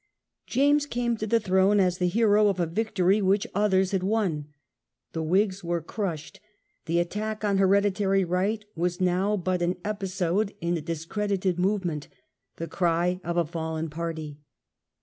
James came to the throne as the hero of a victory which others had won. The Whigs were crushed. The attack on Hereditary Right was now but an ^^^ .jtuatio episode in a discredited movement, the cry of a fallen party.